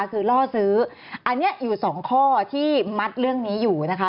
คือล่อซื้ออันนี้อยู่สองข้อที่มัดเรื่องนี้อยู่นะคะ